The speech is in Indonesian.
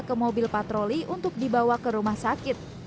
ke mobil patroli untuk dibawa ke rumah sakit